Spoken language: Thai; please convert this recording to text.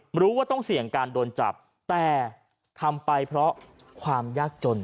รู้ว่าต้องเสี่ยงการโดนจับแต่ทำไปเพราะความยากจน